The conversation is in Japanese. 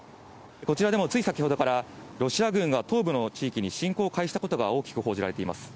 こちらでもつい先ほどから、ロシア軍が東部の地域に侵攻を開始したことが大きく報じられています。